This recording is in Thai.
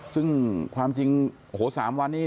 ซึ่งความจริง๓วันนี้